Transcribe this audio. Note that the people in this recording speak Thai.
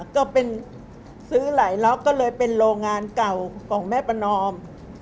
ก็เป็นซื้อหลายล็อกก็เลยเป็นโรงงานเก่าของแม่ประนอม